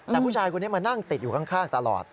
แต่ผู้ชายคนนี้มานั่งติดอยู่ข้างตลอด